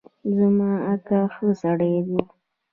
زما اکا ښه سړی دی